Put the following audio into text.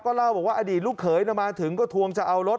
เล่าบอกว่าอดีตลูกเขยมาถึงก็ทวงจะเอารถ